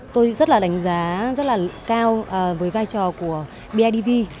tôi rất là đánh giá rất là cao với vai trò của bidv